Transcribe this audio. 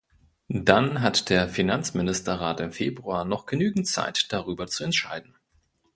Dann hat der Finanzministerrat im Februar noch genügend Zeit, darüber zu entscheiden.